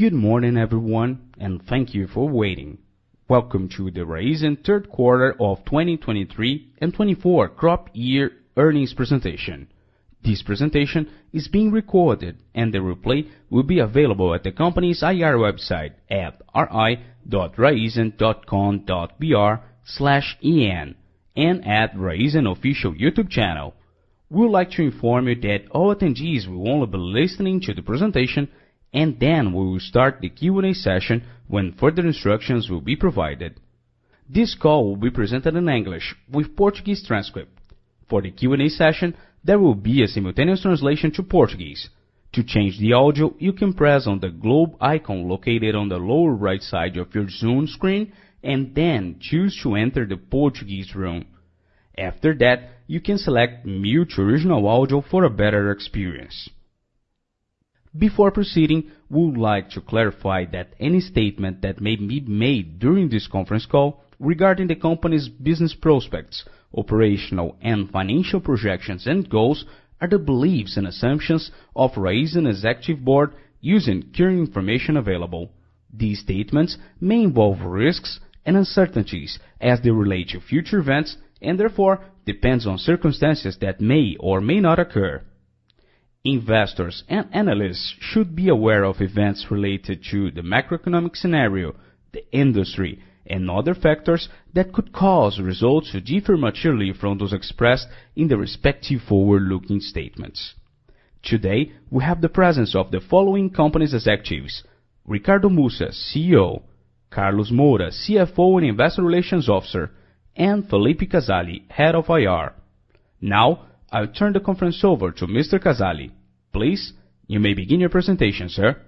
Good morning everyone, and thank you for waiting. Welcome to the Raízen Third Quarter of 2023 and 2024 Crop Year Earnings presentation. This presentation is being recorded, and the replay will be available at the company's IR website at ri.raizen.com.br/en and at Raízen official YouTube channel. We would like to inform you that all attendees will only be listening to the presentation, and then we will start the Q&A session when further instructions will be provided. This call will be presented in English, with Portuguese transcript. For the Q&A session, there will be a simultaneous translation to Portuguese. To change the audio, you can press on the globe icon located on the lower right side of your Zoom screen and then choose to enter the Portuguese room. After that, you can select "Mute original audio" for a better experience. Before proceeding, we would like to clarify that any statement that may be made during this conference call regarding the company's business prospects, operational and financial projections and goals are the beliefs and assumptions of Raízen's executive board using current information available. These statements may involve risks and uncertainties as they relate to future events and, therefore, depend on circumstances that may or may not occur. Investors and analysts should be aware of events related to the macroeconomic scenario, the industry, and other factors that could cause results to differ materially from those expressed in the respective forward-looking statements. Today, we have the presence of the following companies' executives: Ricardo Mussa, CEO; Carlos Moura, CFO and Investor Relations Officer; and Phillipe Casale, Head of IR. Now, I will turn the conference over to Mr. Casale. Please, you may begin your presentation, sir.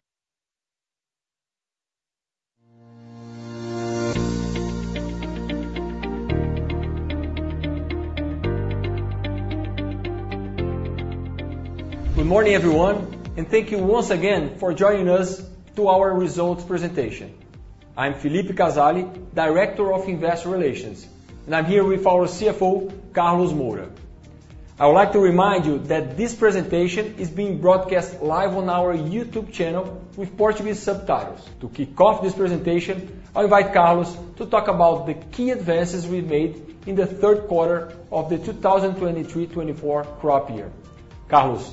Good morning everyone, and thank you once again for joining us to our results presentation. I'm Phillipe Casale, Director of Investor Relations, and I'm here with our CFO, Carlos Moura. I would like to remind you that this presentation is being broadcast live on our YouTube channel with Portuguese subtitles. To kick off this presentation, I invite Carlos to talk about the key advances we made in the third quarter of the 2023/2024 crop year. Carlos.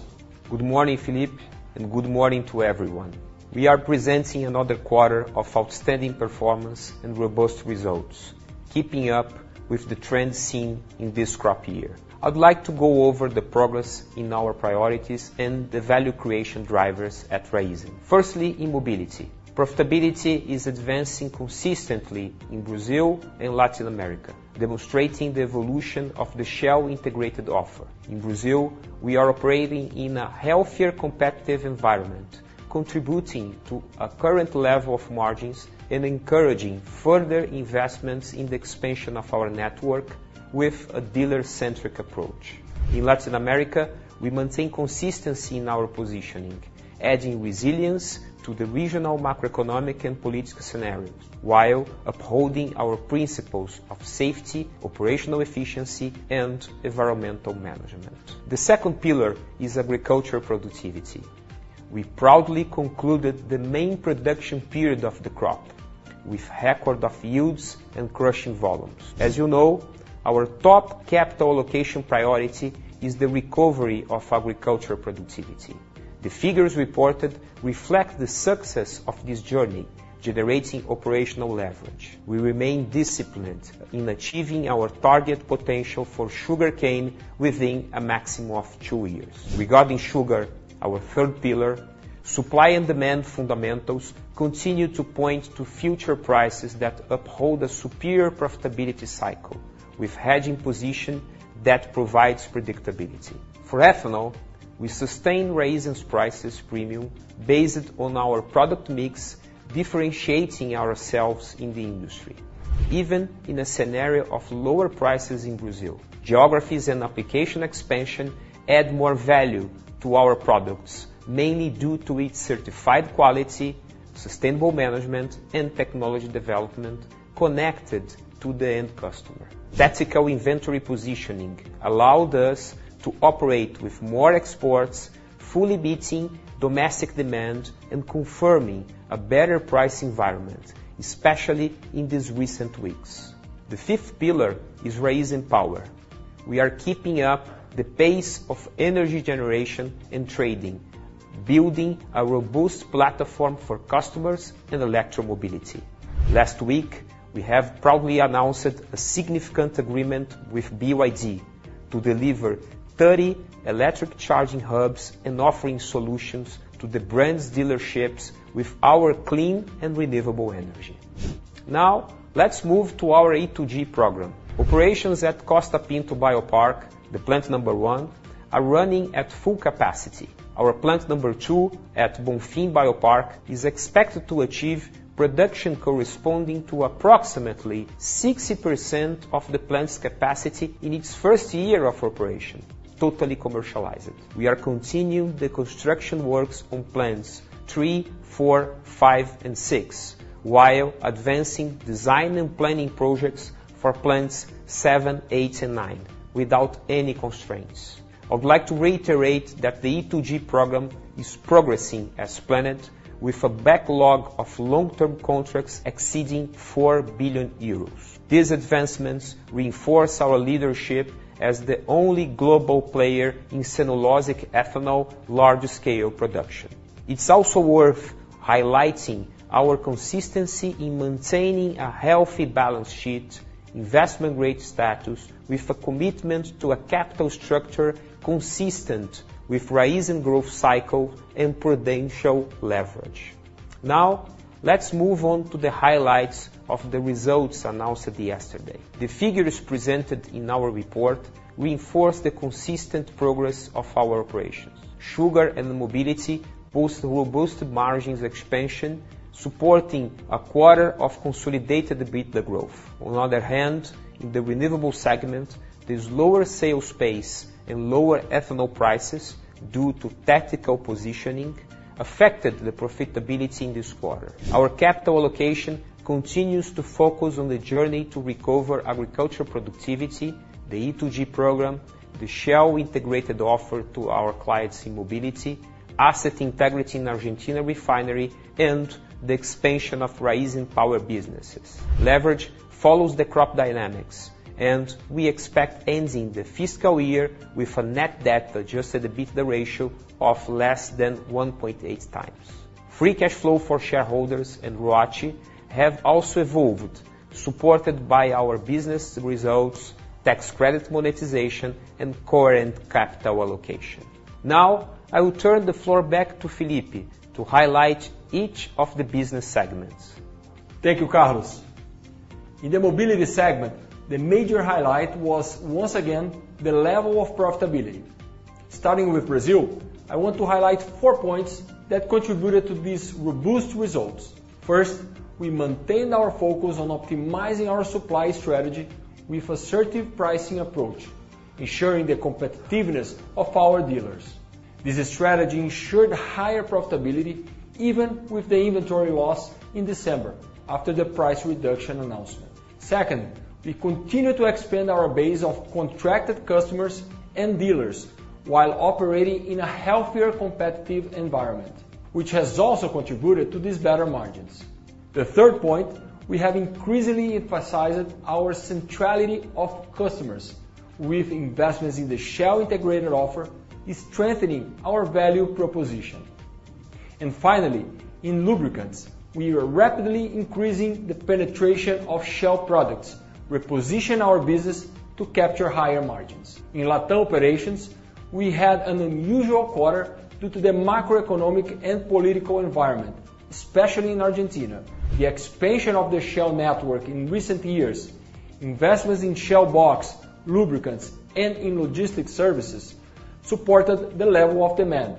Good morning, Phillipe, and good morning to everyone. We are presenting another quarter of outstanding performance and robust results, keeping up with the trends seen in this crop year. I would like to go over the progress in our priorities and the value creation drivers at Raízen. Firstly, mobility. Profitability is advancing consistently in Brazil and Latin America, demonstrating the evolution of the Shell integrated offer. In Brazil, we are operating in a healthier competitive environment, contributing to a current level of margins and encouraging further investments in the expansion of our network with a dealer-centric approach. In Latin America, we maintain consistency in our positioning, adding resilience to the regional macroeconomic and political scenarios while upholding our principles of safety, operational efficiency, and environmental management. The second pillar is agricultural productivity. We proudly concluded the main production period of the crop, with record yields and crushing volumes. As you know, our top capital allocation priority is the recovery of agricultural productivity. The figures reported reflect the success of this journey, generating operational leverage. We remain disciplined in achieving our target potential for sugarcane within a maximum of two years. Regarding sugar, our third pillar, supply and demand fundamentals continue to point to future prices that uphold a superior profitability cycle, with hedging position that provides predictability. For ethanol, we sustain Raízen's prices premium based on our product mix, differentiating ourselves in the industry, even in a scenario of lower prices in Brazil. Geographies and application expansion add more value to our products, mainly due to its certified quality, sustainable management, and technology development connected to the end customer. Tactical inventory positioning allowed us to operate with more exports, fully meeting domestic demand and confirming a better price environment, especially in these recent weeks. The fifth pillar is Raízen Power. We are keeping up the pace of energy generation and trading, building a robust platform for customers and electromobility. Last week, we have proudly announced a significant agreement with BYD to deliver 30 electric charging hubs and offering solutions to the brand's dealerships with our clean and renewable energy. Now, let's move to our E2G program. Operations at Costa Pinto Biopark, the plant number one, are running at full capacity. Our plant number two at Bonfim Biopark is expected to achieve production corresponding to approximately 60% of the plant's capacity in its first year of operation, totally commercialized. We are continuing the construction works on plants three, four, five, and six, while advancing design and planning projects for plants seven, eight, and nine without any constraints. I would like to reiterate that the E2G program is progressing as planned, with a backlog of long-term contracts exceeding 4 billion euros. These advancements reinforce our leadership as the only global player in cellulosic ethanol large-scale production. It's also worth highlighting our consistency in maintaining a healthy balance sheet, investment-grade status, with a commitment to a capital structure consistent with Raízen growth cycle and prudential leverage. Now, let's move on to the highlights of the results announced yesterday. The figures presented in our report reinforce the consistent progress of our operations. Sugar and mobility boost robust margins expansion, supporting a quarter of consolidated EBITDA growth. On the other hand, in the renewable segment, this lower sales pace and lower ethanol prices due to tactical positioning affected the profitability in this quarter. Our capital allocation continues to focus on the journey to recover agricultural productivity, the E2G program, the Shell integrated offer to our clients in mobility, asset integrity in Argentina refinery, and the expansion of Raízen Power businesses. Leverage follows the crop dynamics, and we expect ending the fiscal year with a net debt adjusted to EBITDA ratio of less than 1.8 times. Free cash flow for shareholders and ROIC have also evolved, supported by our business results, tax credit monetization, and current capital allocation. Now, I will turn the floor back to Phillipe to highlight each of the business segments. Thank you, Carlos. In the mobility segment, the major highlight was, once again, the level of profitability. Starting with Brazil, I want to highlight four points that contributed to these robust results. First, we maintained our focus on optimizing our supply strategy with an assertive pricing approach, ensuring the competitiveness of our dealers. This strategy ensured higher profitability even with the inventory loss in December after the price reduction announcement. Second, we continue to expand our base of contracted customers and dealers while operating in a healthier competitive environment, which has also contributed to these better margins. The third point, we have increasingly emphasized our centrality of customers with investments in the Shell integrated offer, strengthening our value proposition. And finally, in lubricants, we are rapidly increasing the penetration of Shell products, repositioning our business to capture higher margins. In Latin operations, we had an unusual quarter due to the macroeconomic and political environment, especially in Argentina. The expansion of the Shell network in recent years, investments in Shell Box, lubricants, and in logistics services supported the level of demand,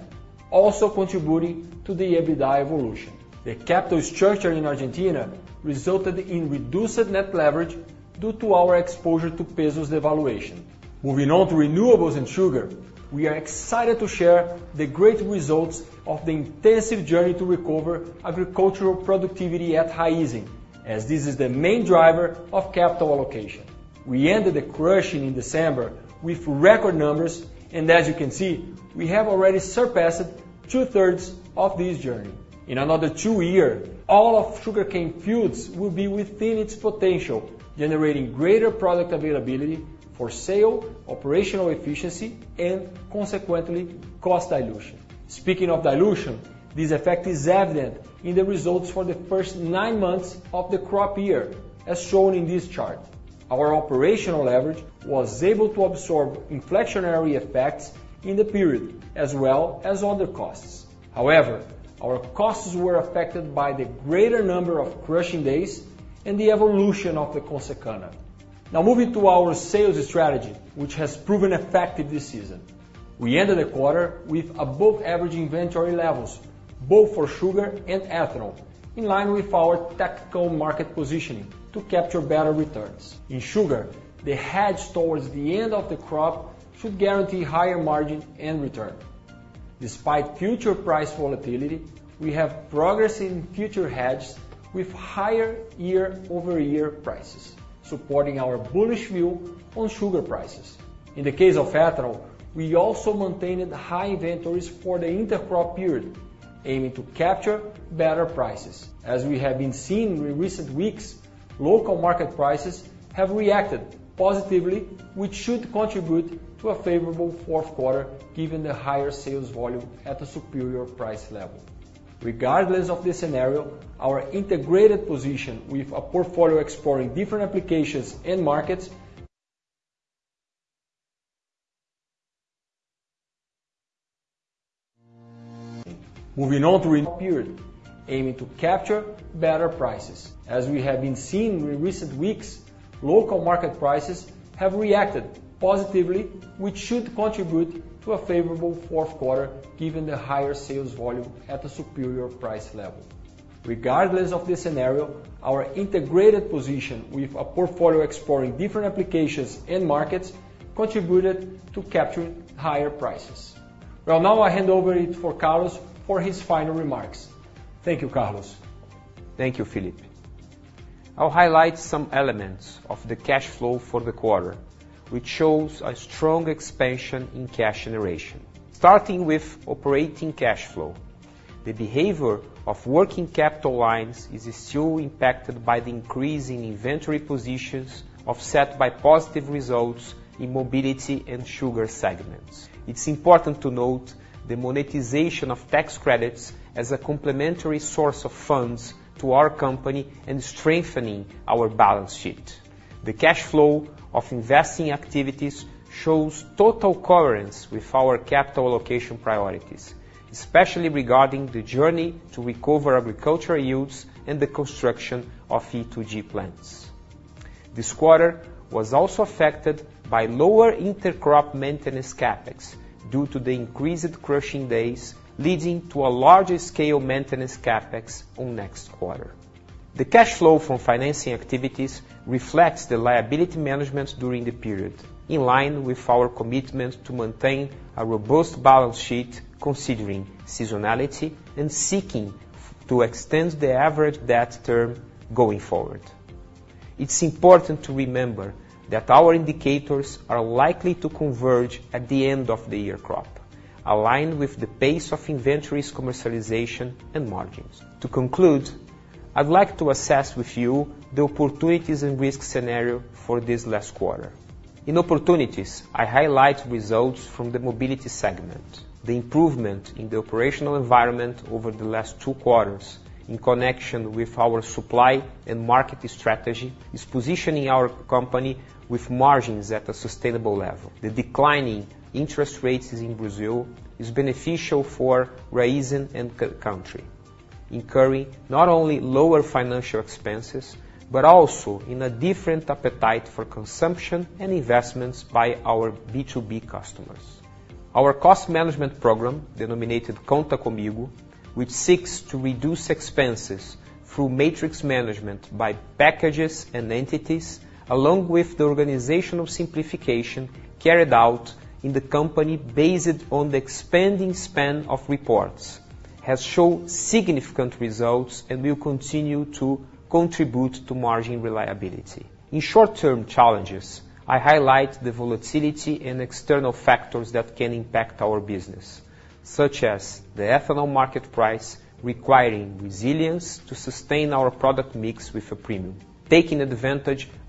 also contributing to the EBITDA evolution. The capital structure in Argentina resulted in reduced net leverage due to our exposure to peso devaluation. Moving on to renewables and sugar, we are excited to share the great results of the intensive journey to recover agricultural productivity at Raízen, as this is the main driver of capital allocation. We ended the crushing in December with record numbers, and as you can see, we have already surpassed two-thirds of this journey. In another two years, all of sugarcane fields will be within its potential, generating greater product availability for sale, operational efficiency, and consequently, cost dilution. Speaking of dilution, this effect is evident in the results for the first nine months of the crop year, as shown in this chart. Our operational leverage was able to absorb inflationary effects in the period, as well as other costs. However, our costs were affected by the greater number of crushing days and the evolution of the Consecana. Now, moving to our sales strategy, which has proven effective this season. We ended the quarter with above-average inventory levels, both for sugar and ethanol, in line with our tactical market positioning to capture better returns. In sugar, the hedge towards the end of the crop should guarantee higher margin and return. Despite future price volatility, we have progress in future hedges with higher year-over-year prices, supporting our bullish view on sugar prices. In the case of ethanol, we also maintained high inventories for the intercrop period, aiming to capture better prices. As we have been seeing in recent weeks, local market prices have reacted positively, which should contribute to a favorable fourth quarter given the higher sales volume at a superior price level. Regardless of the scenario, our integrated position with a portfolio exploring different applications and markets contributed to capturing higher prices. Well, now I hand it over for Carlos for his final remarks. Thank you, Carlos. Thank you, Phillipe. I will highlight some elements of the cash flow for the quarter, which shows a strong expansion in cash generation. Starting with operating cash flow, the behavior of working capital lines is still impacted by the increase in inventory positions offset by positive results in mobility and sugar segments. It's important to note the monetization of tax credits as a complementary source of funds to our company and strengthening our balance sheet. The cash flow of investing activities shows total coherence with our capital allocation priorities, especially regarding the journey to recover agricultural yields and the construction of E2G plants. This quarter was also affected by lower intercrop maintenance CAPEX due to the increased crushing days, leading to a larger-scale maintenance CAPEX on next quarter. The cash flow from financing activities reflects the liability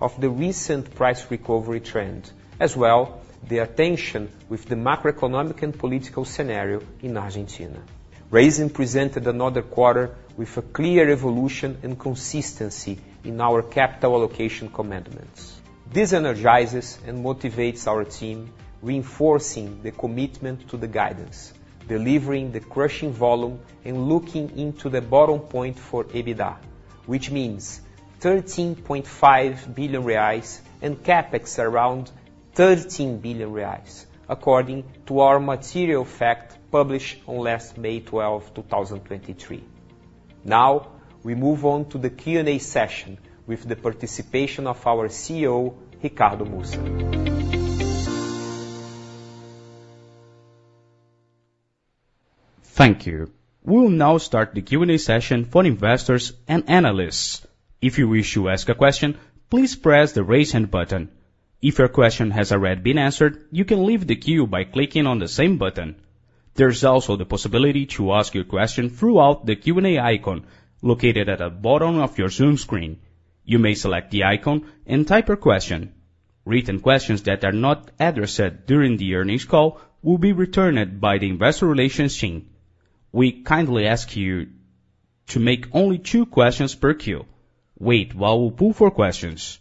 of the recent price recovery trend, as well as the attention with the macroeconomic and political scenario in Argentina. Raízen presented another quarter with a clear evolution and consistency in our capital allocation commandments. This energizes and motivates our team, reinforcing the commitment to the guidance, delivering the crushing volume, and looking into the bottom point for EBITDA, which means 13.5 billion reais and CAPEX around 13 billion reais, according to our material fact published on last May 12th, 2023. Now, we move on to the Q&A session with the participation of our CEO, Ricardo Mussa. Thank you. We will now start the Q&A session for investors and analysts. If you wish to ask a question, please press the raise hand button. If your question has already been answered, you can leave the queue by clicking on the same button. There's also the possibility to ask your question through the Q&A icon, located at the bottom of your Zoom screen. You may select the icon and type your question. Written questions that are not addressed during the earnings call will be returned by the investor relations team. We kindly ask you to make only two questions per queue. Wait while we poll for questions.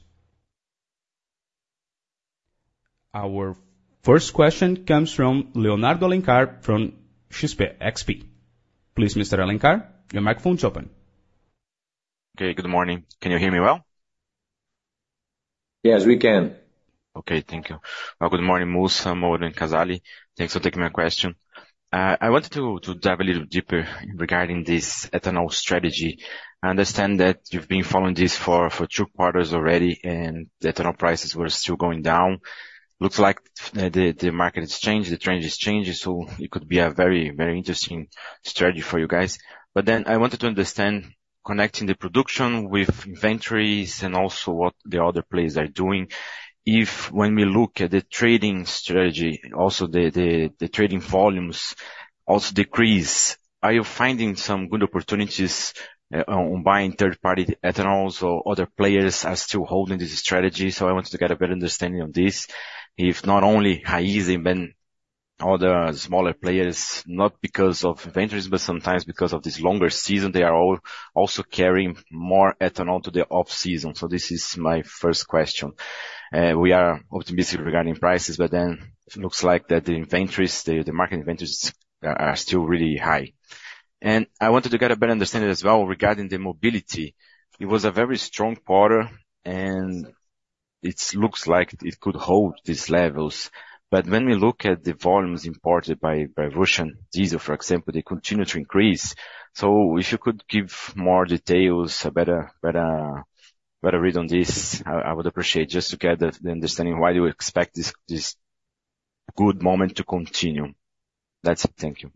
Our first question comes from Leonardo Alencar from XP. Please, Mr. Alencar, your microphone is open. Okay, good morning. Can you hear me well? Yes, we can. Okay, thank you. Well, good morning, Mussa, Moura, Casale. Thanks for taking my question. I wanted to dive a little deeper regarding this ethanol strategy. I understand that you've been following this for 2 quarters already, and the ethanol prices were still going down. Looks like the market is changing, the trend is changing, so it could be a very, very interesting strategy for you guys. But then I wanted to understand connecting the production with inventories and also what the other players are doing. If when we look at the trading strategy, also the trading volumes also decrease, are you finding some good opportunities on buying third-party ethanols or other players are still holding this strategy? So I wanted to get a better understanding of this. If not only Raízen but other smaller players, not because of inventories but sometimes because of this longer season, they are also carrying more ethanol to the off-season. So this is my first question. We are optimistic regarding prices, but then it looks like that the inventories, the market inventories are still really high. And I wanted to get a better understanding as well regarding the mobility. It was a very strong quarter, and it looks like it could hold these levels. But when we look at the volumes imported by Russian diesel, for example, they continue to increase. So if you could give more details, a better read on this, I would appreciate just to get the understanding why do you expect this good moment to continue. That's it. Thank you.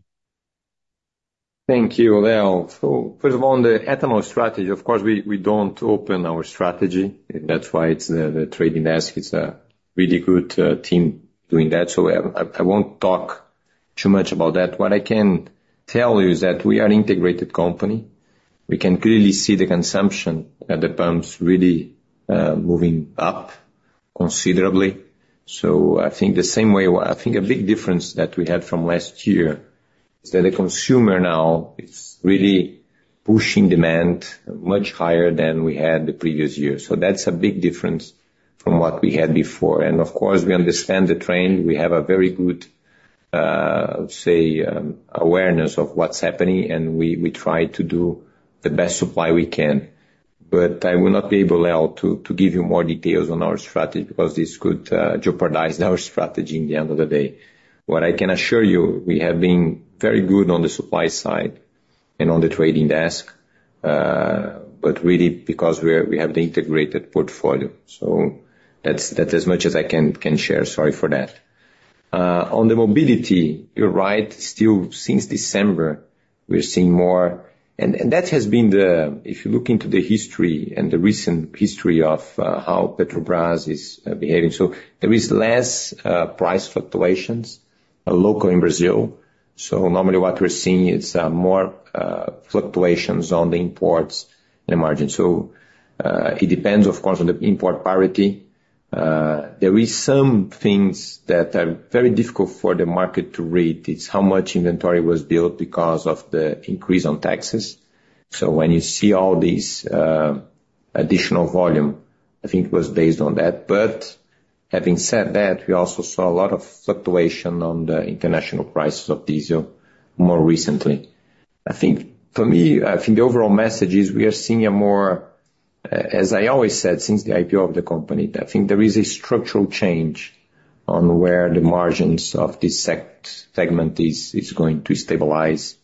Thank you, Leo. So first of all, on the ethanol strategy, of course, we don't open our strategy. That's why it's the trading desk. It's a really good team doing that. So I won't talk too much about that. What I can tell you is that we are an integrated company. We can clearly see the consumption at the pumps really moving up considerably. So I think the same way, I think a big difference that we had from last year is that the consumer now is really pushing demand much higher than we had the previous year. So that's a big difference from what we had before. And of course, we understand the trend. We have a very good, I would say, awareness of what's happening, and we try to do the best supply we can. But I will not be able, Leo, to give you more details on our strategy because this could jeopardize our strategy in the end of the day. What I can assure you, we have been very good on the supply side and on the trading desk, but really because we have the integrated portfolio. So that's as much as I can share. Sorry for that. On the mobility, you're right. Still, since December, we're seeing more. And that has been the, if you look into the history and the recent history of how Petrobras is behaving. So there is less price fluctuations local in Brazil. So normally what we're seeing is more fluctuations on the imports and the margins. So it depends, of course, on the import parity. There are some things that are very difficult for the market to read. It's how much inventory was built because of the increase on taxes. So when you see all this additional volume, I think it was based on that. But having said that, we also saw a lot of fluctuation on the international prices of diesel more recently. I think for me, I think the overall message is we are seeing a more, as I always said, since the IPO of the company, I think there is a structural change on where the margins of this segment is going to stabilize.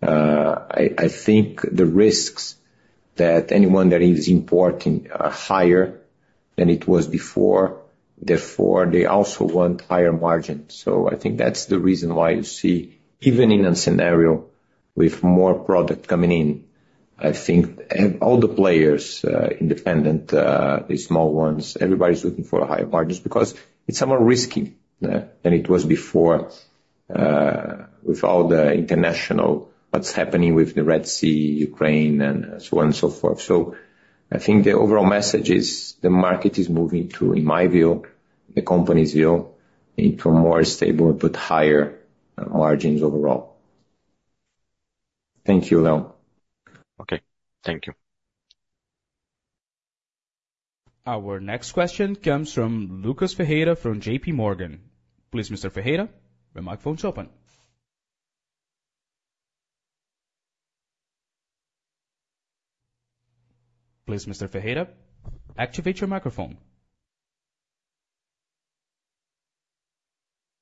I think the risks that anyone that is importing are higher than it was before. Therefore, they also want higher margins. So I think that's the reason why you see, even in a scenario with more product coming in, I think all the players, independent, the small ones, everybody's looking for higher margins because it's somewhat riskier than it was before with all the international, what's happening with the Red Sea, Ukraine, and so on and so forth. So I think the overall message is the market is moving to, in my view, the company's view, into a more stable but higher margins overall. Thank you, Leo. Okay. Thank you. Our next question comes from Lucas Ferreira from JP Morgan. Please, Mr. Ferreira, your microphone is open. Please, Mr. Ferreira, activate your microphone.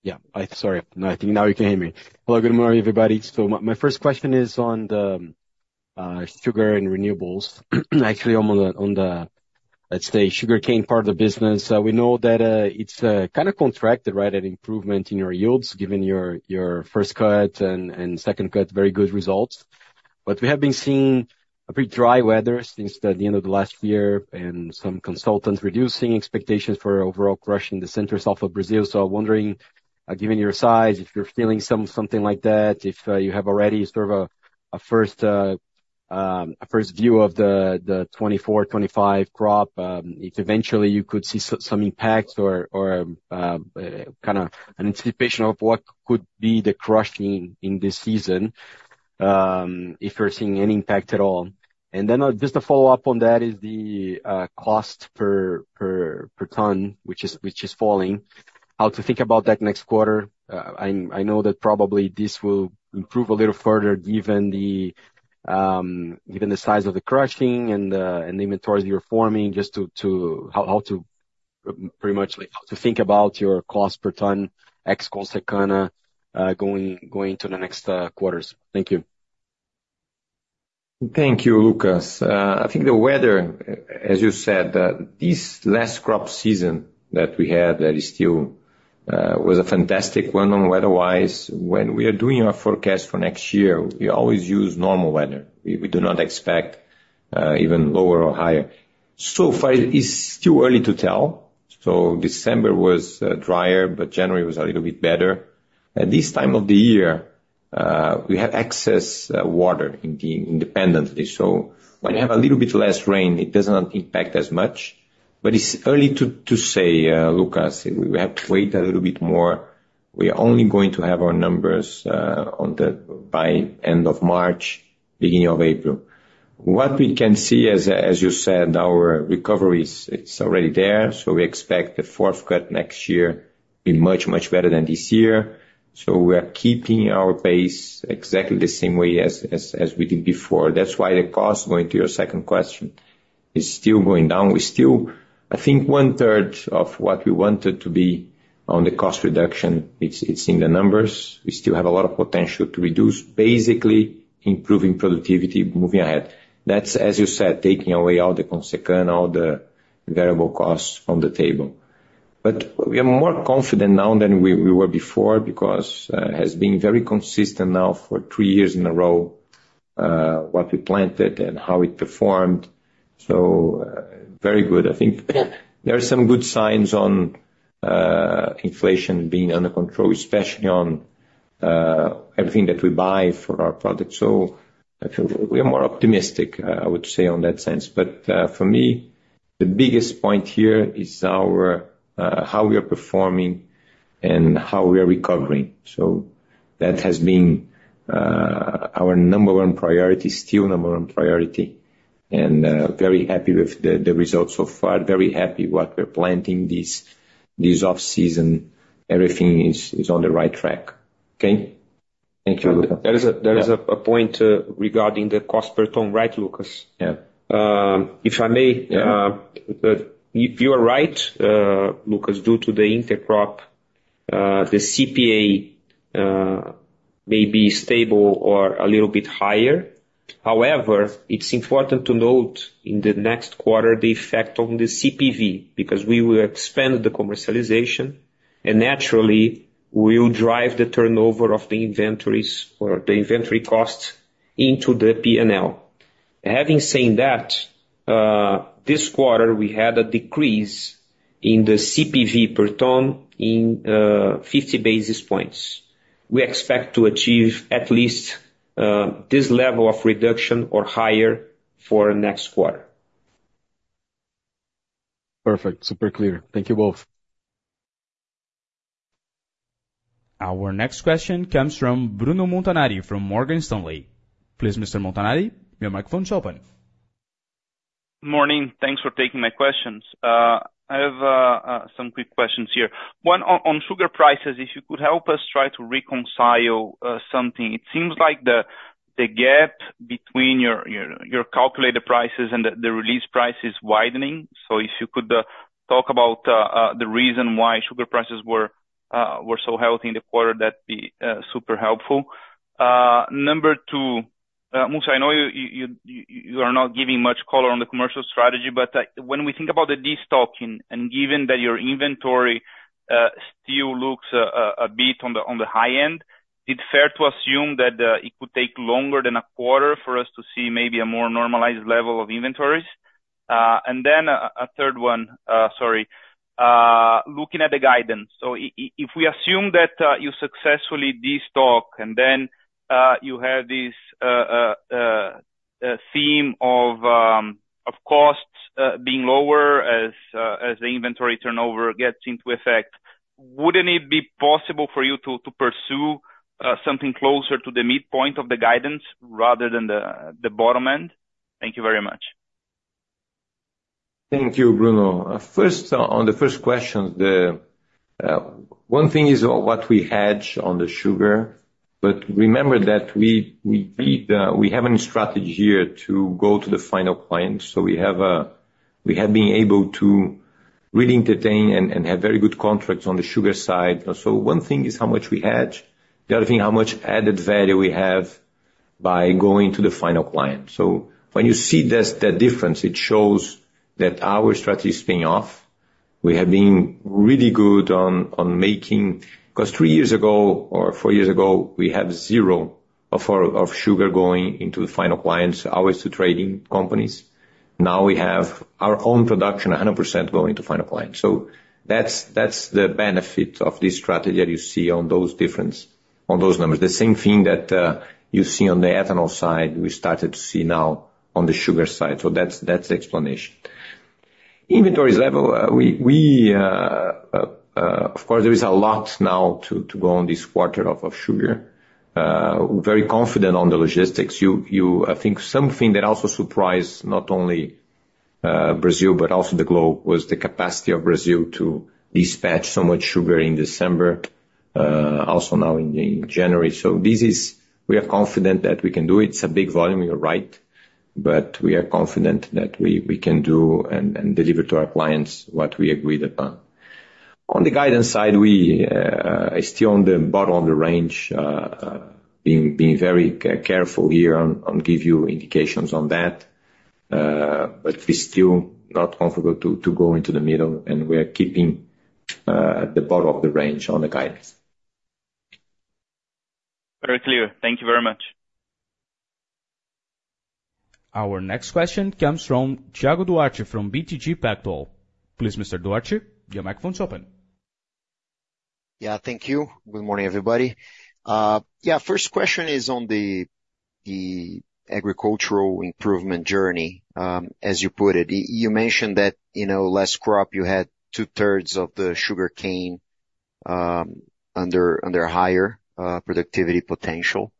Yeah. Sorry. I think now you can hear me. Hello, good morning, everybody. So my first question is on the sugar and renewables. Actually, on the, let's say, sugarcane part of the business. We know that it's kind of contracted, right, an improvement in your yields given your first cut and second cut, very good results. But we have been seeing pretty dry weather since the end of the last year and some consultants reducing expectations for overall crush in the Center-South of Brazil. So I'm wondering, given your size, if you're feeling something like that, if you have already sort of a first view of the 2024-2025 crop, if eventually you could see some impact or kind of an anticipation of what could be the crush in this season, if you're seeing any impact at all? Then just to follow up on that is the cost per ton, which is falling. How to think about that next quarter? I know that probably this will improve a little further given the size of the crushing and the inventories you're forming, just to how to pretty much how to think about your cost per ton ex Consecana going into the next quarters. Thank you. Thank you, Lucas. I think the weather, as you said, this last crop season that we had was still a fantastic one weather-wise. When we are doing our forecast for next year, we always use normal weather. We do not expect even lower or higher. So far, it's still early to tell. So December was drier, but January was a little bit better. At this time of the year, we have access to water independently. So when you have a little bit less rain, it doesn't impact as much. But it's early to say, Lucas. We have to wait a little bit more. We are only going to have our numbers by end of March, beginning of April. What we can see is, as you said, our recovery is already there. So we expect the fourth cut next year to be much, much better than this year. So we are keeping our pace exactly the same way as we did before. That's why the cost, going to your second question, is still going down. I think one-third of what we wanted to be on the cost reduction, it's in the numbers. We still have a lot of potential to reduce, basically improving productivity, moving ahead. That's, as you said, taking away all the Consecana, all the variable costs from the table. But we are more confident now than we were before because it has been very consistent now for three years in a row what we planted and how it performed. So very good. I think there are some good signs on inflation being under control, especially on everything that we buy for our product. So we are more optimistic, I would say, on that sense. But for me, the biggest point here is how we are performing and how we are recovering. That has been our number one priority, still number one priority. Very happy with the results so far. Very happy what we're planting this off-season. Everything is on the right track. Okay? Thank you, Lucas. There is a point regarding the cost per ton, right, Lucas? Yeah. If I may, if you are right, Lucas, due to the intercrop, the CPA may be stable or a little bit higher. However, it's important to note in the next quarter the effect on the CPV because we will expand the commercialization, and naturally, we will drive the turnover of the inventories or the inventory costs into the P&L. Having said that, this quarter, we had a decrease in the CPV per ton in 50 basis points. We expect to achieve at least this level of reduction or higher for next quarter. Perfect. Super clear. Thank you both. Our next question comes from Bruno Montanari from Morgan Stanley. Please, Mr. Montanari, your microphone is open. Good morning. Thanks for taking my questions. I have some quick questions here. One, on sugar prices, if you could help us try to reconcile something. It seems like the gap between your calculated prices and the realized price is widening. So if you could talk about the reason why sugar prices were so healthy in the quarter, that'd be super helpful. Number two, Mussa, I know you are not giving much color on the commercial strategy, but when we think about the destocking and given that your inventory still looks a bit on the high end, is it fair to assume that it could take longer than a quarter for us to see maybe a more normalized level of inventories? And then a third one, sorry, looking at the guidance. If we assume that you successfully destock and then you have this theme of costs being lower as the inventory turnover gets into effect, wouldn't it be possible for you to pursue something closer to the midpoint of the guidance rather than the bottom end? Thank you very much. Thank you, Bruno. First, on the first question, one thing is what we hedge on the sugar, but remember that we have a strategy here to go to the final client. So we have been able to really entertain and have very good contracts on the sugar side. So one thing is how much we hedge. The other thing, how much added value we have by going to the final client. So when you see that difference, it shows that our strategy is paying off. We have been really good on making because three years ago or four years ago, we had zero of sugar going into the final clients, ours to trading companies. Now we have our own production 100% going to final clients. So that's the benefit of this strategy that you see on those numbers. The same thing that you see on the ethanol side, we started to see now on the sugar side. So that's the explanation. Inventories level, of course, there is a lot now to go on this quarter of sugar. Very confident on the logistics. I think something that also surprised not only Brazil, but also the globe, was the capacity of Brazil to dispatch so much sugar in December, also now in January. So we are confident that we can do it. It's a big volume, you're right. But we are confident that we can do and deliver to our clients what we agreed upon. On the guidance side, we are still on the bottom of the range, being very careful here on giving you indications on that. But we're still not comfortable to go into the middle, and we are keeping the bottom of the range on the guidance. Very clear. Thank you very much. Our next question comes from Thiago Duarte from BTG Pactual. Please, Mr. Duarte, your microphone is open. Yeah, thank you. Good morning, everybody. Yeah, first question is on the agricultural improvement journey, as you put it. You mentioned that last crop, you had two-thirds of the sugarcane under higher productivity potential.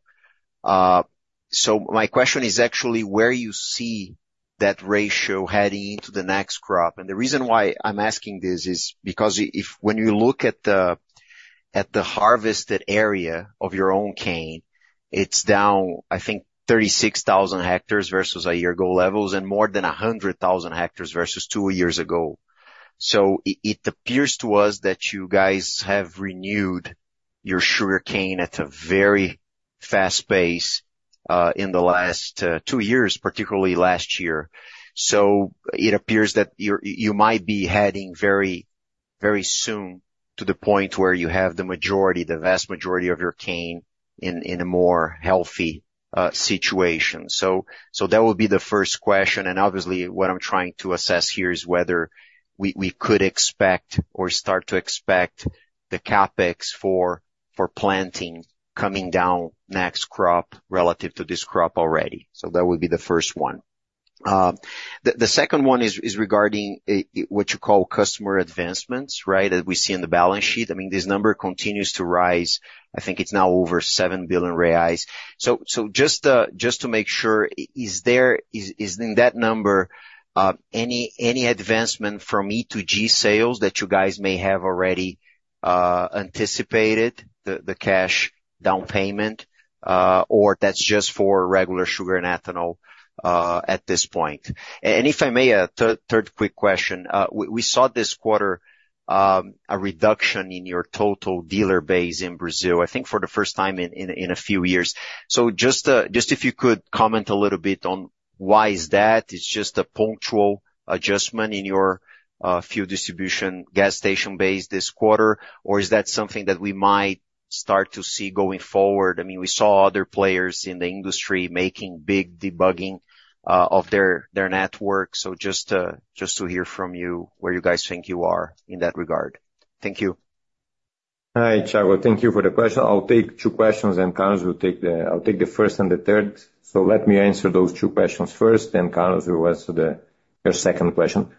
So my question is actually where you see that ratio heading into the next crop. And the reason why I'm asking this is because when you look at the harvested area of your own cane, it's down, I think, 36,000 hectares versus a year ago levels and more than 100,000 hectares versus two years ago. So it appears to us that you guys have renewed your sugarcane at a very fast pace in the last two years, particularly last year. So it appears that you might be heading very soon to the point where you have the vast majority of your cane in a more healthy situation. So that would be the first question. Obviously, what I'm trying to assess here is whether we could expect or start to expect the CAPEX for planting coming down next crop relative to this crop already. That would be the first one. The second one is regarding what you call customer advancements, right, that we see in the balance sheet. I mean, this number continues to rise. I think it's now over 7 billion reais. Just to make sure, is there in that number any advancement from E to G sales that you guys may have already anticipated, the cash down payment, or that's just for regular sugar and ethanol at this point? And if I may, a third quick question. We saw this quarter a reduction in your total dealer base in Brazil, I think for the first time in a few years. Just if you could comment a little bit on why is that? It's just a punctual adjustment in your fuel distribution gas station base this quarter, or is that something that we might start to see going forward? I mean, we saw other players in the industry making big debugging of their network. Just to hear from you where you guys think you are in that regard. Thank you. Hi, Thiago. Thank you for the question. I'll take two questions, and Carlos will take the first and the third. So let me answer those two questions first, then Carlos will answer your second question.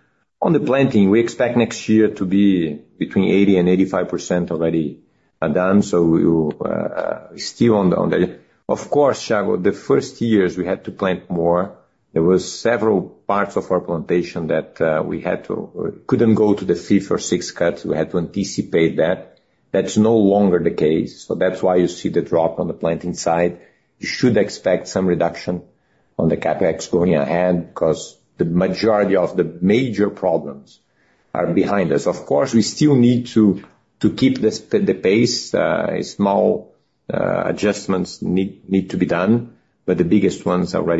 On the planting, we expect next year to be between 80%-85% already done. So we're still on the of course, Thiago, the first years, we had to plant more. There were several parts of our plantation that we couldn't go to the fifth or sixth cut. We had to anticipate that. That's no longer the case. So that's why you see the drop on the planting side. You should expect some reduction on the CAPEX going ahead because the majority of the major problems are behind us. Of course, we still need to keep the pace. Small adjustments need to be done, but the biggest ones were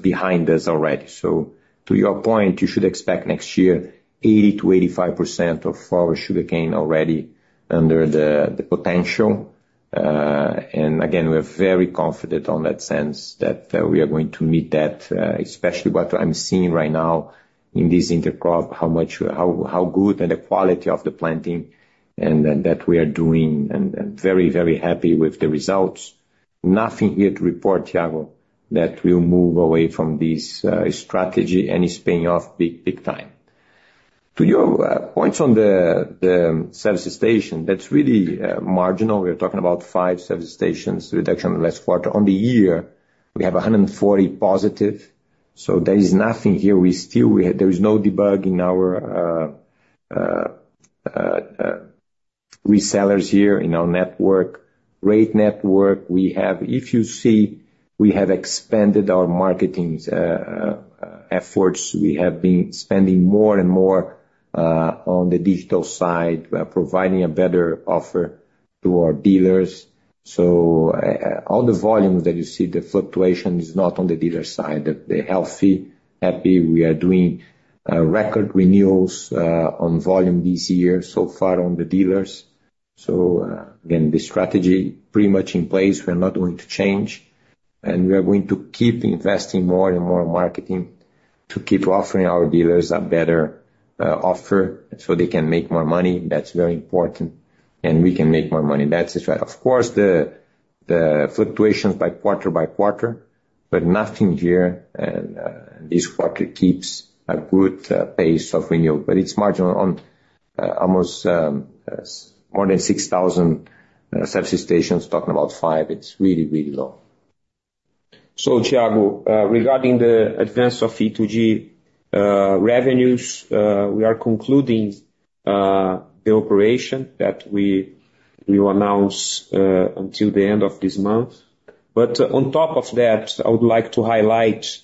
behind us already. So to your point, you should expect next year 80%-85% of our sugarcane already under the potential. And again, we are very confident on that sense that we are going to meet that, especially what I'm seeing right now in this intercrop, how good and the quality of the planting that we are doing. And I'm very, very happy with the results. Nothing here to report, Thiago, that we'll move away from this strategy, and it's paying off big time. To your points on the service station, that's really marginal. We are talking about 5 service stations, reduction last quarter. On the year, we have 140 positive. So there is nothing here. There is no drag in our resellers here, in our network. Retail network, if you see, we have expanded our marketing efforts. We have been spending more and more on the digital side, providing a better offer to our dealers. So all the volume that you see, the fluctuation is not on the dealer side. They're healthy, happy. We are doing record renewals on volume this year so far on the dealers. So again, the strategy is pretty much in place. We are not going to change. And we are going to keep investing more and more marketing to keep offering our dealers a better offer so they can make more money. That's very important. And we can make more money. That's it. Of course, the fluctuations by quarter by quarter, but nothing here. And this quarter keeps a good pace of renewal. But it's marginal on almost more than 6,000 service stations, talking about five. It's really, really low. So, Thiago, regarding the advance of E2G revenues, we are concluding the operation that we will announce until the end of this month. But on top of that, I would like to highlight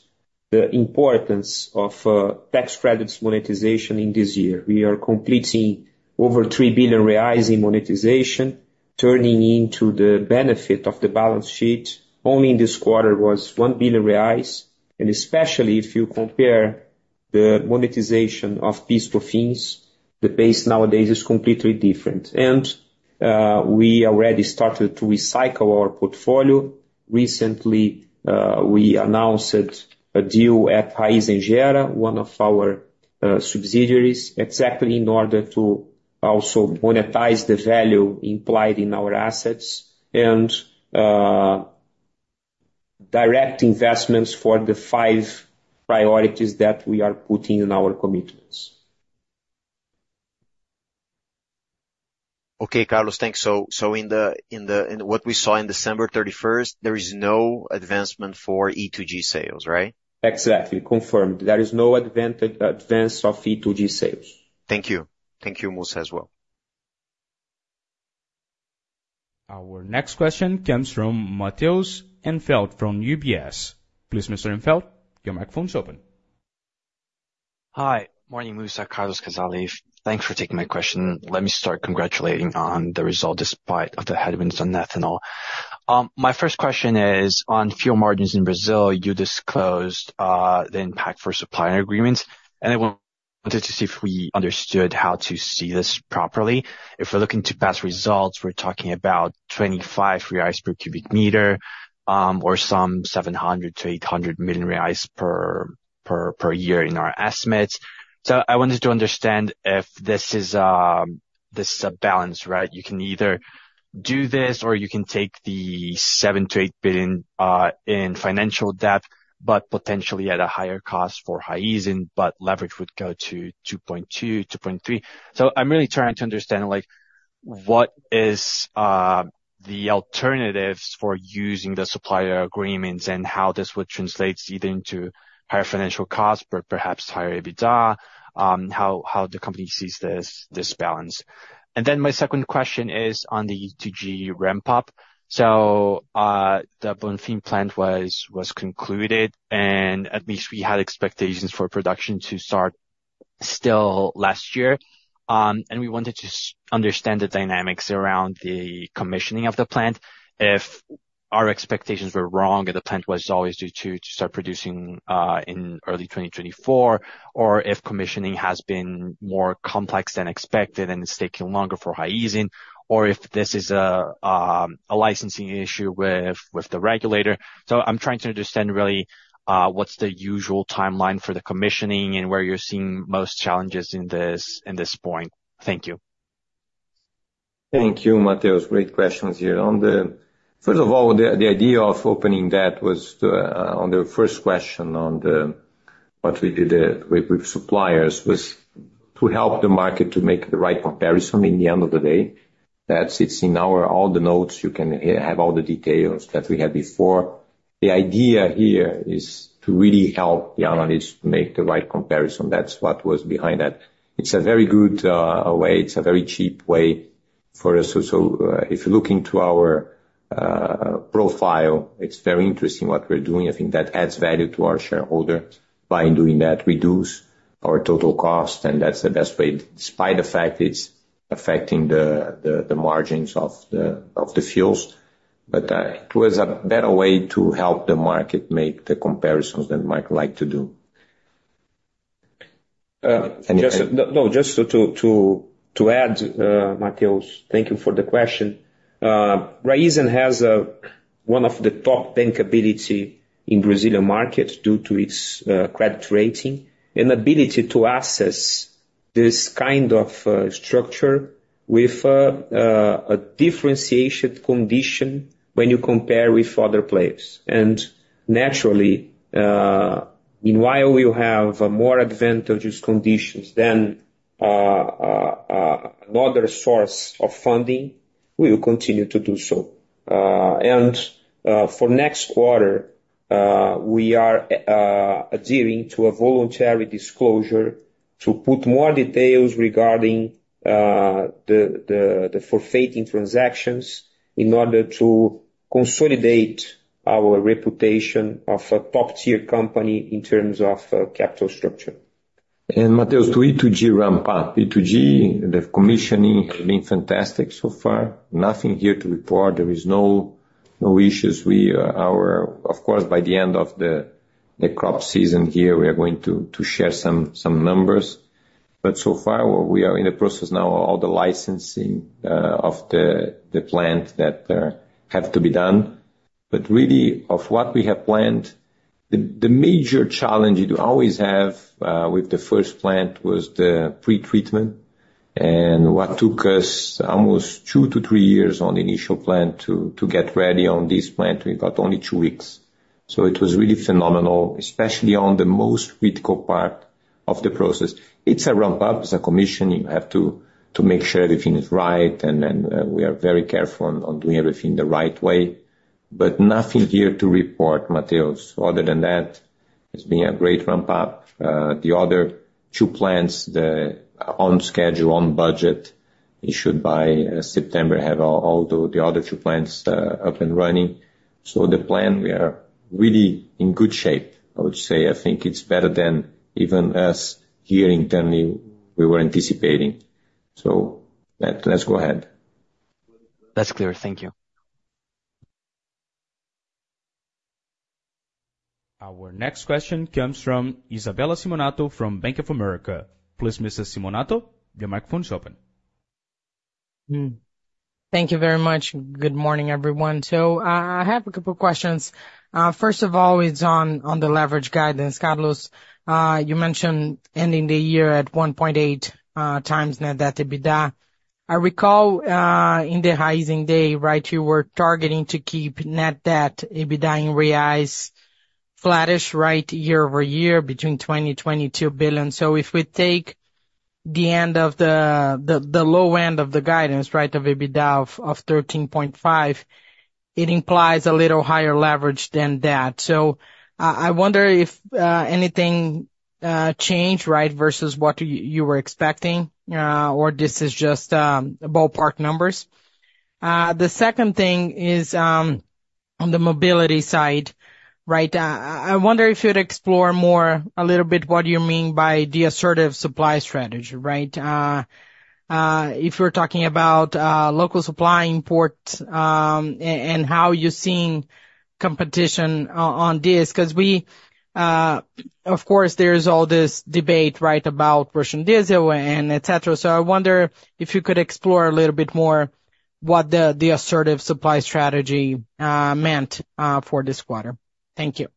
the importance of tax credits monetization in this year. We are completing over 3 billion reais in monetization, turning into the benefit of the balance sheet. Only in this quarter was 1 billion reais. And especially if you compare the monetization of PIS/COFINS fees, the pace nowadays is completely different. And we already started to recycle our portfolio. Recently, we announced a deal at Raízen Energia, one of our subsidiaries, exactly in order to also monetize the value implied in our assets and direct investments for the five priorities that we are putting in our commitments. Okay, Carlos. Thanks. So in what we saw on December 31st, there is no advancement for E2G sales, right? Exactly. Confirmed. There is no advance of E2G sales. Thank you. Thank you, Mussa, as well. Our next question comes from Matheus Enfeldt from UBS. Please, Mr. Enfeldt, your microphone is open. Hi. Morning, Mussa. Carlos. Casale. Thanks for taking my question. Let me start congratulating on the result despite the headwinds on ethanol. My first question is, on fuel margins in Brazil, you disclosed the impact for supplier agreements. And I wanted to see if we understood how to see this properly. If we're looking to past results, we're talking about 25 reais per cubic meter or some 700-800 million reais per year in our estimates. So I wanted to understand if this is a balance, right? You can either do this or you can take the 7-8 billion BRL in financial debt, but potentially at a higher cost for Raízen, but leverage would go to 2.2-2.3. So I'm really trying to understand what are the alternatives for using the supplier agreements and how this would translate either into higher financial costs, but perhaps higher EBITDA, how the company sees this balance. And then my second question is on the E to G ramp-up. So the Bonfim plant was concluded, and at least we had expectations for production to start still last year. And we wanted to understand the dynamics around the commissioning of the plant. If our expectations were wrong and the plant was always due to start producing in early 2024, or if commissioning has been more complex than expected and it's taking longer for Raízen, or if this is a licensing issue with the regulator. So I'm trying to understand really what's the usual timeline for the commissioning and where you're seeing most challenges in this point. Thank you. Thank you, Matheus. Great questions here. First of all, the idea of opening that was on the first question on what we did with suppliers was to help the market to make the right comparison in the end of the day. That's it. In all the notes, you can have all the details that we had before. The idea here is to really help the analysts make the right comparison. That's what was behind that. It's a very good way. It's a very cheap way for us. So if you're looking to our profile, it's very interesting what we're doing. I think that adds value to our shareholder by doing that. Reduce our total cost, and that's the best way, despite the fact it's affecting the margins of the fuels. But it was a better way to help the market make the comparisons than Mike liked to do. No, just to add, Matheus, thank you for the question. Raízen has one of the top bankabilities in the Brazilian market due to its credit rating and ability to assess this kind of structure with a differentiated condition when you compare with other players. And naturally, while we have more advantageous conditions than another source of funding, we will continue to do so. And for next quarter, we are adhering to a voluntary disclosure to put more details regarding the forfaiting transactions in order to consolidate our reputation of a top-tier company in terms of capital structure. Matheus, to E2G ramp-up, E2G, the commissioning has been fantastic so far. Nothing here to report. There are no issues. Of course, by the end of the crop season here, we are going to share some numbers. But so far, we are in the process now of all the licensing of the plant that has to be done. But really, of what we have planned, the major challenge you always have with the first plant was the pretreatment. And what took us almost 2-3 years on the initial plant to get ready on this plant, we got only 2 weeks. So it was really phenomenal, especially on the most critical part of the process. It's a ramp-up. It's a commission. You have to make sure everything is right. And we are very careful on doing everything the right way. But nothing here to report, Matheus. Other than that, it's been a great ramp-up. The other two plants, on schedule, on budget, issued by September, have all the other two plants up and running. So the plan, we are really in good shape, I would say. I think it's better than even us here internally we were anticipating. So let's go ahead. That's clear. Thank you. Our next question comes from Isabella Simonato from Bank of America. Please, Mrs. Simonato, your microphone is open. Thank you very much. Good morning, everyone. I have a couple of questions. First of all, it's on the leverage guidance. Carlos, you mentioned ending the year at 1.8 times net debt EBITDA. I recall in the Raízen Day, right, you were targeting to keep net debt EBITDA in reais flattish, right, year-over-year between 20 billion-22 billion. So if we take the end of the low end of the guidance, right, of EBITDA of 13.5 billion, it implies a little higher leverage than that. So I wonder if anything changed, right, versus what you were expecting, or this is just ballpark numbers. The second thing is on the mobility side, right, I wonder if you'd explore more a little bit what you mean by the assertive supply strategy, right, if we're talking about local supply imports and how you're seeing competition on this. Because of course, there's all this debate, right, about Russian diesel, and etc. So I wonder if you could explore a little bit more what the assertive supply strategy meant for this quarter? Thank you.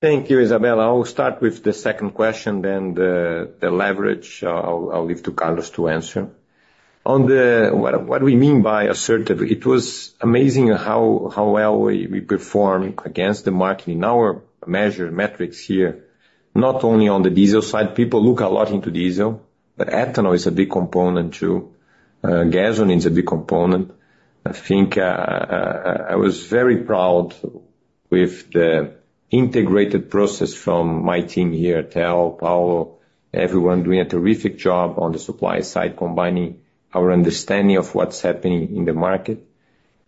Thank you, Isabella. I'll start with the second question, then the leverage. I'll leave to Carlos to answer. On what we mean by assertive, it was amazing how well we performed against the market in our measure metrics here, not only on the diesel side. People look a lot into diesel, but ethanol is a big component too. Gasoline is a big component. I think I was very proud with the integrated process from my team here, Teo, Paulo, everyone doing a terrific job on the supply side combining our understanding of what's happening in the market.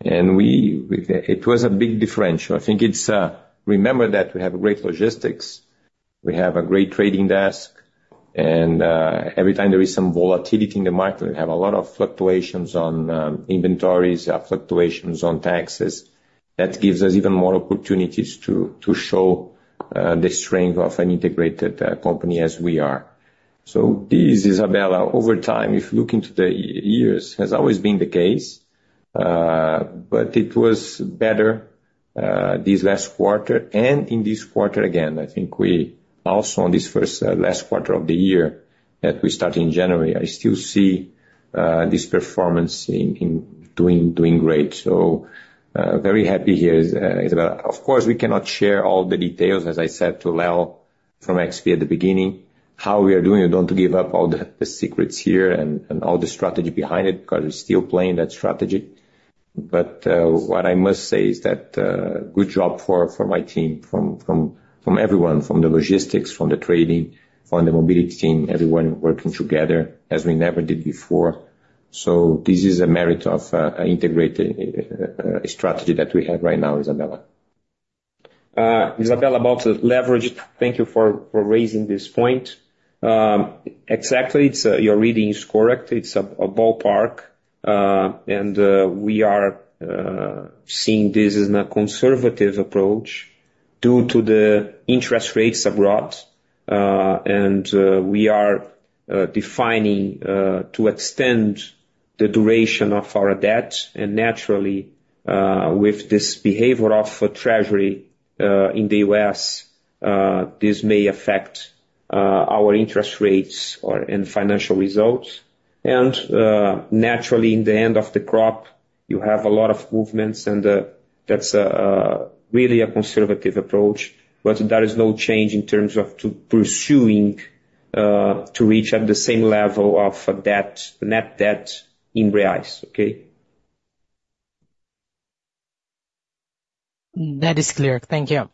And it was a big differential. I think it's remember that we have great logistics. We have a great trading desk. And every time there is some volatility in the market, we have a lot of fluctuations on inventories, fluctuations on taxes. That gives us even more opportunities to show the strength of an integrated company as we are. So this, Isabella, over time, if you look into the years, has always been the case. But it was better this last quarter. And in this quarter again, I think we also on this first last quarter of the year that we started in January, I still see this performance in doing great. So very happy here, Isabella. Of course, we cannot share all the details, as I said to Leo from XP at the beginning, how we are doing. We don't want to give up all the secrets here and all the strategy behind it because we're still playing that strategy. What I must say is that good job for my team, from everyone, from the logistics, from the trading, from the mobility team, everyone working together as we never did before. This is a merit of an integrated strategy that we have right now, Isabella. Isabella, about the leverage, thank you for raising this point. Exactly. Your reading is correct. It's a ballpark. And we are seeing this as a conservative approach due to the interest rates abroad. And we are defining to extend the duration of our debt. And naturally, with this behavior of Treasury in the U.S., this may affect our interest rates and financial results. And naturally, in the end of the crop, you have a lot of movements. And that's really a conservative approach. But there is no change in terms of pursuing to reach at the same level of net debt in reais, okay? That is clear. Thank you.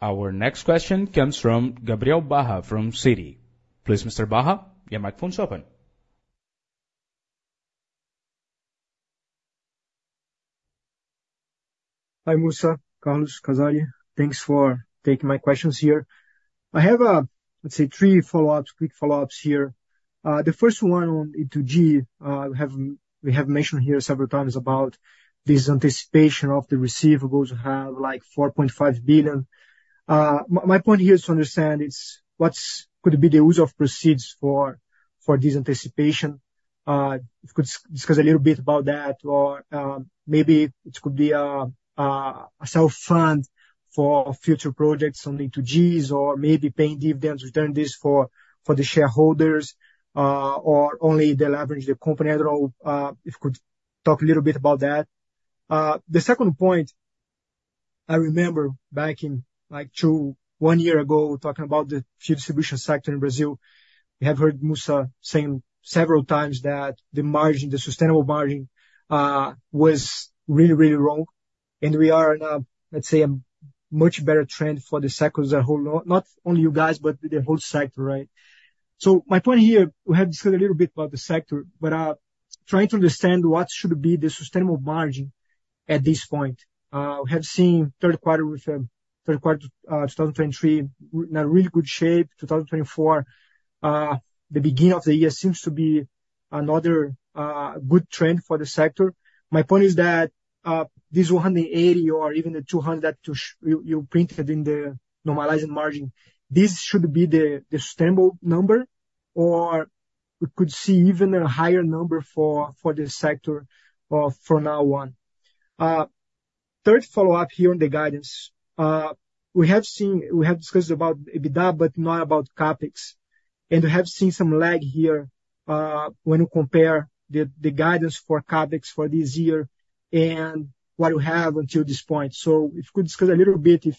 Our next question comes from Gabriel Barra from Citi. Please, Mr. Barra, your microphone is open. Hi, Mussa. Carlos. Casale. Thanks for taking my questions here. I have, let's say, three follow-ups, quick follow-ups here. The first one on E2G, we have mentioned here several times about this anticipation of the receivables to have like 4.5 billion. My point here is to understand what could be the use of proceeds for this anticipation. If you could discuss a little bit about that, or maybe it could be a self-fund for future projects on E2Gs, or maybe paying dividends, return this for the shareholders, or only the leverage, the company. If you could talk a little bit about that. The second point, I remember back in like one year ago talking about the fuel distribution sector in Brazil. We have heard Mussa saying several times that the margin, the sustainable margin, was really, really wrong. And we are in a, let's say, a much better trend for the sector as a whole, not only you guys, but the whole sector, right? So my point here, we have discussed a little bit about the sector, but trying to understand what should be the sustainable margin at this point. We have seen third quarter with third quarter 2023 in a really good shape. 2024, the beginning of the year seems to be another good trend for the sector. My point is that this 180 or even the 200 that you printed in the normalizing margin, this should be the sustainable number, or we could see even a higher number for the sector from now on. Third follow-up here on the guidance, we have discussed about EBITDA, but not about CAPEX. We have seen some lag here when you compare the guidance for CAPEX for this year and what you have until this point. If you could discuss a little bit if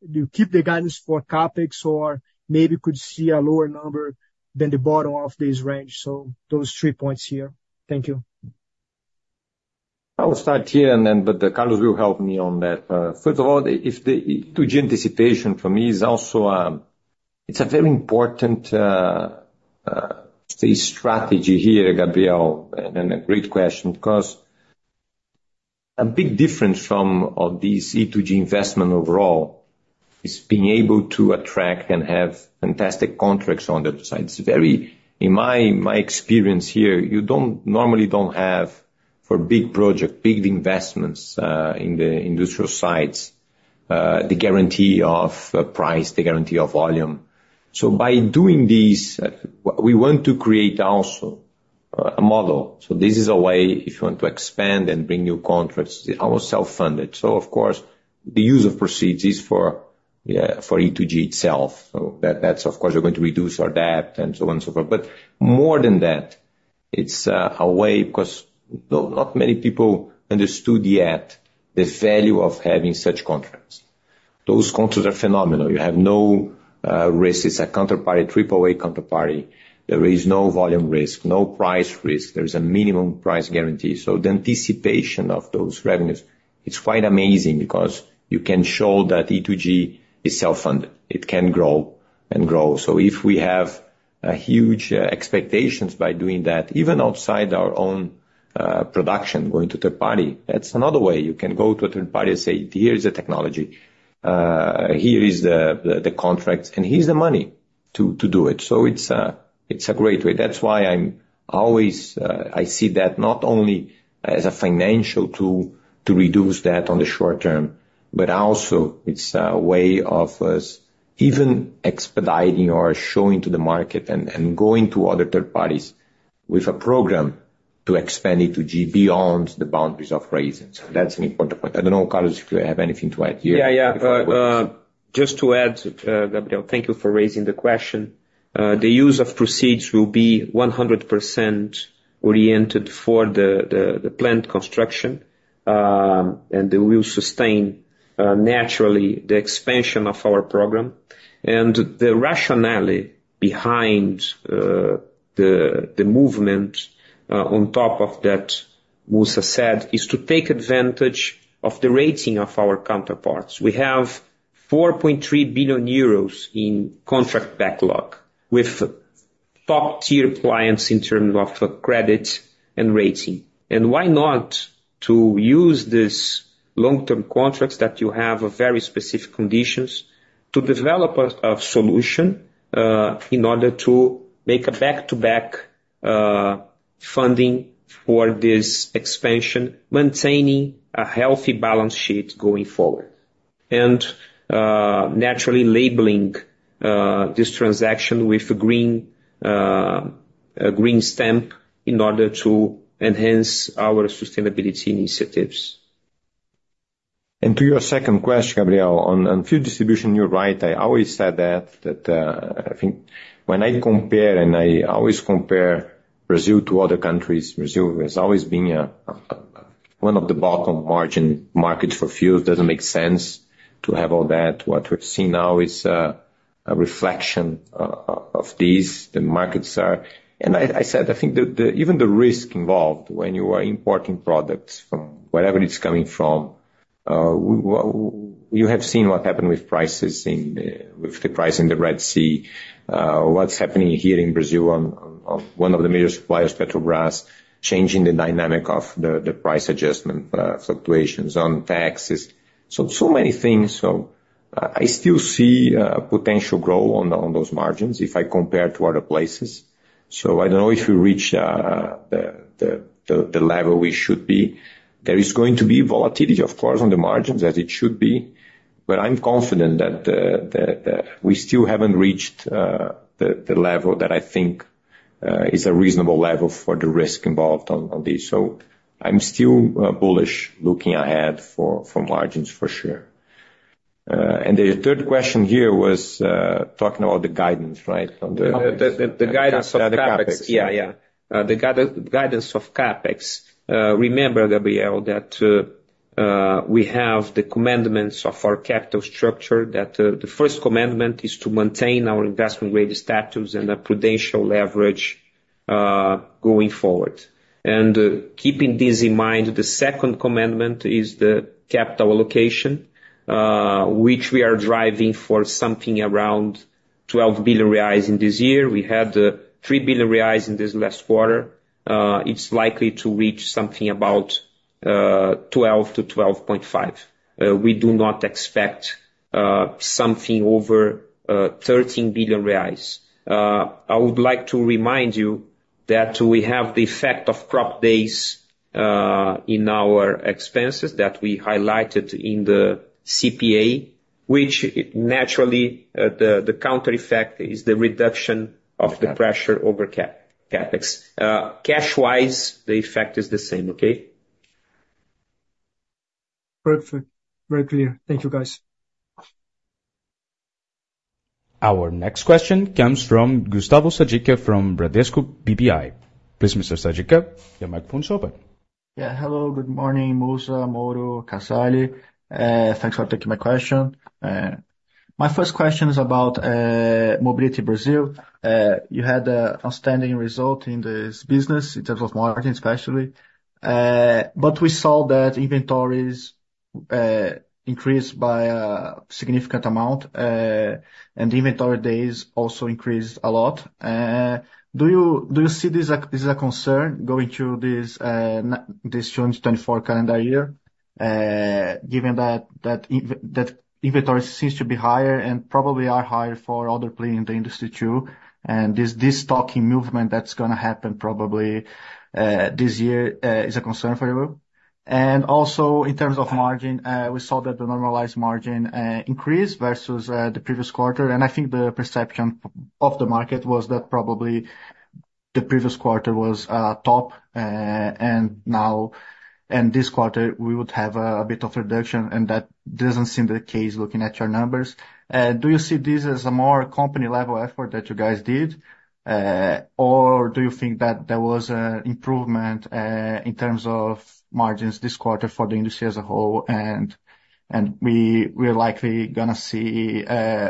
you keep the guidance for CAPEX, or maybe you could see a lower number than the bottom of this range? Those three points here. Thank you. I will start here, but Carlos will help me on that. First of all, E to G anticipation for me is also a very important strategy here, Gabriel. A great question because a big difference from this E to G investment overall is being able to attract and have fantastic contracts on the other side. In my experience here, you normally don't have for big projects, big investments in the industrial sites, the guarantee of price, the guarantee of volume. By doing this, we want to create also a model. This is a way, if you want to expand and bring new contracts, it's almost self-funded. Of course, the use of proceeds is for E to G itself. That's, of course, you're going to reduce our debt and so on and so forth. But more than that, it's a way because not many people understood yet the value of having such contracts. Those contracts are phenomenal. You have no risk. It's a counterparty, triple-A counterparty. There is no volume risk, no price risk. There is a minimum price guarantee. So the anticipation of those revenues, it's quite amazing because you can show that E2G is self-funded. It can grow and grow. So if we have huge expectations by doing that, even outside our own production, going to third party, that's another way. You can go to a third party and say, "Here is the technology. Here is the contracts. And here's the money to do it." So it's a great way. That's why I see that not only as a financial tool to reduce debt on the short term, but also it's a way of us even expediting or showing to the market and going to other third parties with a program to expand E2G beyond the boundaries of Raízen. So that's an important point. I don't know, Carlos, if you have anything to add here. Yeah, yeah. Just to add, Gabriel, thank you for raising the question. The use of proceeds will be 100% oriented for the plant construction. It will sustain naturally the expansion of our program. The rationale behind the movement on top of that, Mussa said, is to take advantage of the rating of our counterparts. We have 4.3 billion euros in contract backlog with top-tier clients in terms of credit and rating. Why not use these long-term contracts that you have very specific conditions to develop a solution in order to make a back-to-back funding for this expansion, maintaining a healthy balance sheet going forward, and naturally labeling this transaction with a green stamp in order to enhance our sustainability initiatives? To your second question, Gabriel, on fuel distribution, you're right. I always said that. I think when I compare, and I always compare Brazil to other countries, Brazil has always been one of the bottom margin markets for fuels. It doesn't make sense to have all that. What we're seeing now is a reflection of these. I said, I think even the risk involved when you are importing products from wherever it's coming from, you have seen what happened with prices, with the price in the Red Sea, what's happening here in Brazil on one of the major suppliers, Petrobras, changing the dynamic of the price adjustment fluctuations on taxes. So many things. I still see potential growth on those margins if I compare to other places. I don't know if we reach the level we should be. There is going to be volatility, of course, on the margins as it should be. But I'm confident that we still haven't reached the level that I think is a reasonable level for the risk involved on this. So I'm still bullish looking ahead for margins, for sure. And the third question here was talking about the guidance, right, on the CAPEX. The guidance of CapEx. Yeah, yeah. The guidance of CapEx. Remember, Gabriel, that we have the commandments of our capital structure, that the first commandment is to maintain our investment-grade status and a prudential leverage going forward. And keeping this in mind, the second commandment is the capital allocation, which we are driving for something around 12 billion reais in this year. We had 3 billion reais in this last quarter. It's likely to reach something about 12 billion-12.5 billion. We do not expect something over 13 billion reais. I would like to remind you that we have the effect of crop days in our expenses that we highlighted in the CPA, which naturally, the counter effect is the reduction of the pressure over CapEx. Cash-wise, the effect is the same, okay? Perfect. Very clear. Thank you, guys. Our next question comes from Gustavo Sadka from Bradesco BBI. Please, Mr. Sadka, your microphone is open. Yeah. Hello. Good morning, Mussa, Moura, Casale. Thanks for taking my question. My first question is about Mobility Brazil. You had an outstanding result in this business in terms of margin, especially. But we saw that inventories increased by a significant amount. And the inventory days also increased a lot. Do you see this as a concern going into this 2024 calendar year, given that inventories seem to be higher and probably are higher for other players in the industry too? And this stocking movement that's going to happen probably this year is a concern for you? And also, in terms of margin, we saw that the normalized margin increased versus the previous quarter. And I think the perception of the market was that probably the previous quarter was top. And this quarter, we would have a bit of reduction. And that doesn't seem the case looking at your numbers. Do you see this as a more company-level effort that you guys did? Or do you think that there was an improvement in terms of margins this quarter for the industry as a whole? We're likely going to see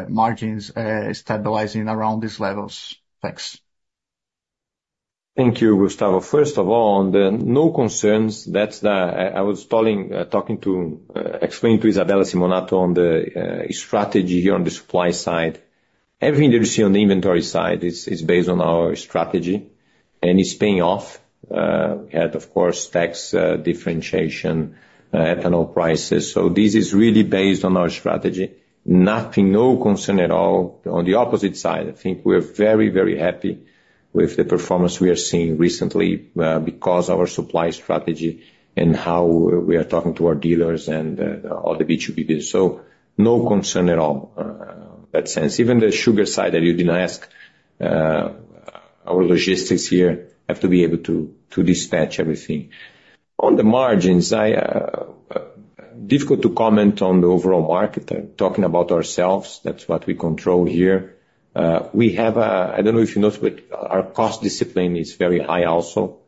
margins stabilizing around these levels. Thanks. Thank you, Gustavo. First of all, no concerns. I was talking to Isabella Simonato on the strategy here on the supply side. Everything that you see on the inventory side is based on our strategy. It's paying off. We had, of course, tax differentiation, ethanol prices. This is really based on our strategy. No concern at all. On the opposite side, I think we're very, very happy with the performance we are seeing recently because of our supply strategy and how we are talking to our dealers and all the B2B dealers. No concern at all in that sense. Even the sugar side that you didn't ask, our logistics here have to be able to dispatch everything. On the margins, difficult to comment on the overall market. Talking about ourselves, that's what we control here. I don't know if you noticed, but our cost discipline is very high also.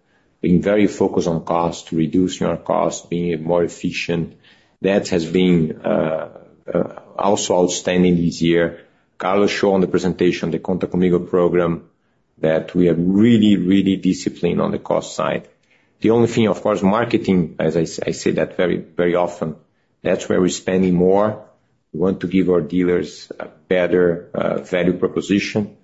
Being very focused on cost, reducing our cost, being more efficient. That has been also outstanding this year. Carlos showed on the presentation, the Conta Comigo program, that we are really, really disciplined on the cost side. The only thing, of course, marketing, as I say that very, very often, that's where we're spending more. We want to give our dealers a better value proposition.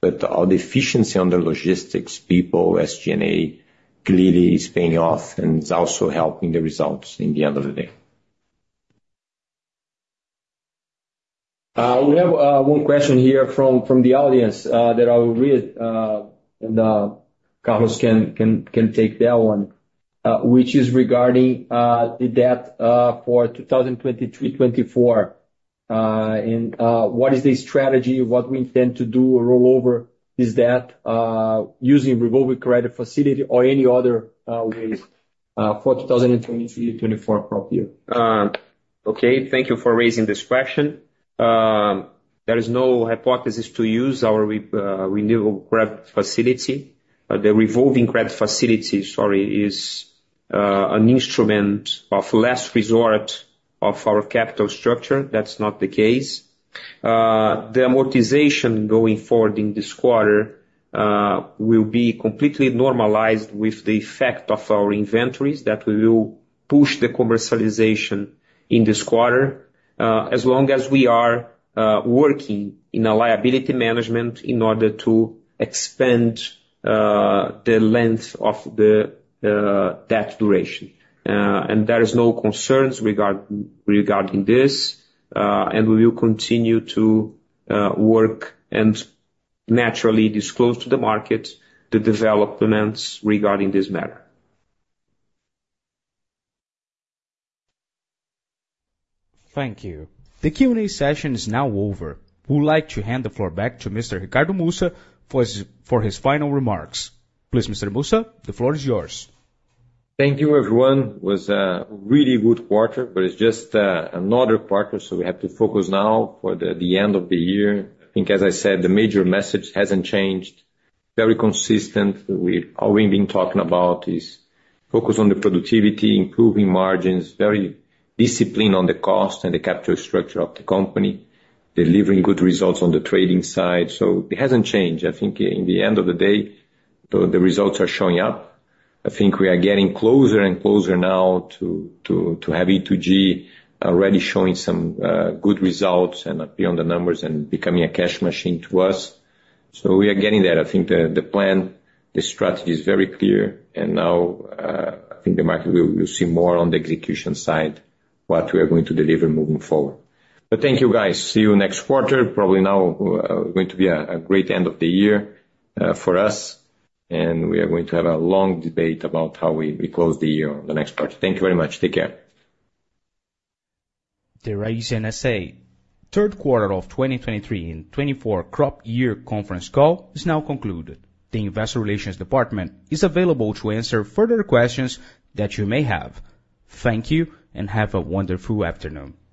But all the efficiency on the logistics, people, SG&A, clearly is paying off and is also helping the results in the end of the day. We have one question here from the audience that I will read, and Carlos can take that one, which is regarding the debt for 2023-24. What is the strategy, what we intend to do, roll over this debt using revolving credit facility or any other ways for 2023-24 crop year? Okay. Thank you for raising this question. There is no hypothesis to use our renewable credit facility. The revolving credit facility, sorry, is an instrument of less resort of our capital structure. That's not the case. The amortization going forward in this quarter will be completely normalized with the effect of our inventories that we will push the commercialization in this quarter as long as we are working in liability management in order to expand the length of the debt duration. And there are no concerns regarding this. And we will continue to work and naturally disclose to the market the developments regarding this matter. Thank you. The Q&A session is now over. We'd like to hand the floor back to Mr. Ricardo Mussa for his final remarks. Please, Mr. Mussa, the floor is yours. Thank you, everyone. It was a really good quarter, but it's just another quarter, so we have to focus now for the end of the year. I think, as I said, the major message hasn't changed. Very consistent. All we've been talking about is focus on the productivity, improving margins, very disciplined on the cost and the capital structure of the company, delivering good results on the trading side. So it hasn't changed. I think, in the end of the day, the results are showing up. I think we are getting closer and closer now to have E2G already showing some good results and appear on the numbers and becoming a cash machine to us. So we are getting that. I think the plan, the strategy is very clear. And now, I think the market will see more on the execution side what we are going to deliver moving forward. Thank you, guys. See you next quarter. Probably now is going to be a great end of the year for us. We are going to have a long debate about how we close the year on the next quarter. Thank you very much. Take care. The Raízen SA, third quarter of 2023-24 crop year conference call is now concluded. The Investor Relations Department is available to answer further questions that you may have. Thank you and have a wonderful afternoon.